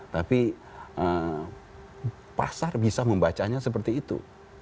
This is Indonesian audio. tapi pasar bisa membacanya seperti itu